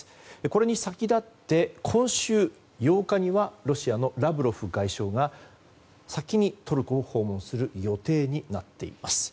これに先立ち、今週８日にはロシアのラブロフ外相が先にトルコを訪問する予定になっています。